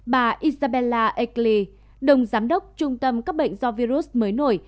bà isabella egli đồng giám đốc trung tâm cấp bệnh do virus mới nổi